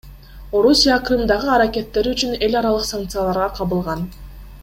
Орусия Крымдагы аракеттери үчүн эл аралык санкцияларга кабылган.